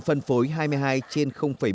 phân phối hai mươi hai trên bốn